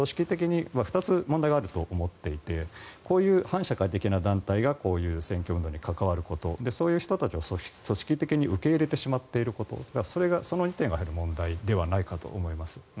２つ問題があると思っていてこういう反社会的な団体が選挙運動に関わることそういう人たちを組織的に受け入れてしまっていることその２点がやはり問題ではないかと思います。